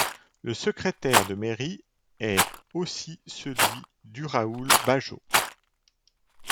Le secrétaire de mairie est aussi celui d'Urraúl Bajo.